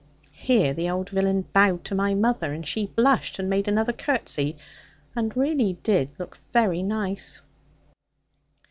Here the old villain bowed to my mother; and she blushed, and made another curtsey, and really did look very nice.